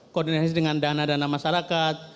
koordinasi dengan dana dana masyarakat